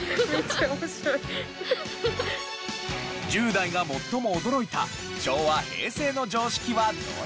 １０代が最も驚いた昭和・平成の常識はどれでしょう？